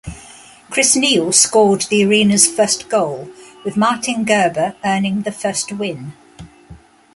Chris Neil scored the arena's first goal, with Martin Gerber earning the first win.